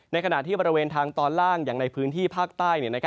ขณะที่บริเวณทางตอนล่างอย่างในพื้นที่ภาคใต้